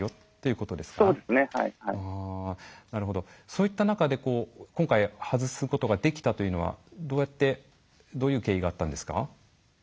そういった中で今回外すことができたというのはどういう経緯があったんですか？